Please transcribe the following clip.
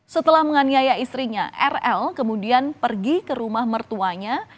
setelah menganiaya istrinya rl kemudian pergi ke rumah mertuanya